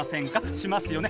しますよね？